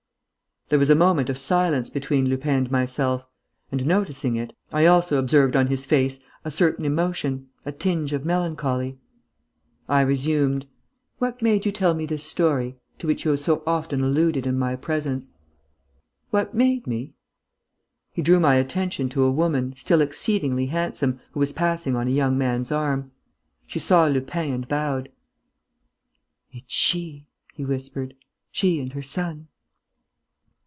There was a moment of silence between Lupin and myself; and, noticing it, I also observed on his face a certain emotion, a tinge of melancholy. I resumed: "What made you tell me this story ... to which you have often alluded in my presence?" "What made me ...?" He drew my attention to a woman, still exceedingly handsome, who was passing on a young man's arm. She saw Lupin and bowed. "It's she," he whispered. "She and her son."